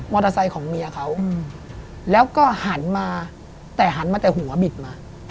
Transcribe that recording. ไซค์ของเมียเขาแล้วก็หันมาแต่หันมาแต่หัวบิดมา